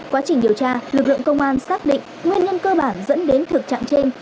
quá trình điều tra lực lượng công an xác định nguyên nhân cơ bản dẫn đến thực trạng trên